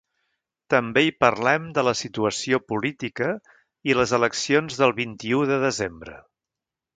També hi parlem de la situació política i les eleccions del vint-i-u de desembre.